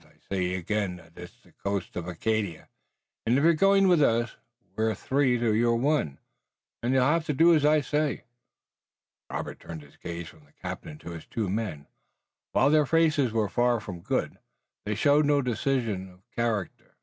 I say again that it's the coast of Acadia, and you're going with us. We're three to your one, and you'll have to do as I say." Robert turned his gaze from the captain to his two men. While their faces were far from good they showed no decision of character.